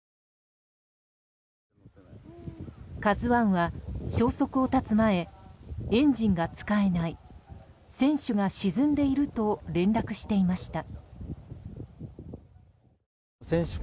「ＫＡＺＵ１」は消息を絶つ前エンジンが使えない船首が沈んでいると連絡していました。